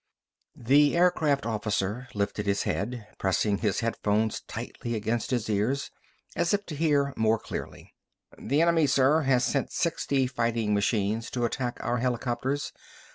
The aircraft officer lifted his head, pressing his headphones tightly against his ears, as if to hear mores clearly. "The enemy, sir, has sent sixty fighting machines to attack our helicopters.